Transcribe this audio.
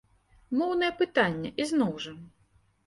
Моўнае пытанне, ізноў жа.